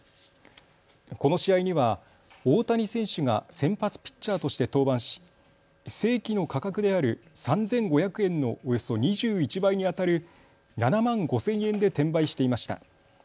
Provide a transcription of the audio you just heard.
この試合には大谷選手が先発ピッチャーとして登板し正規の価格である３５００円のおよそ２１倍にあたる７万５０００円で転売していました。